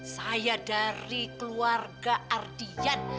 saya dari keluarga ardian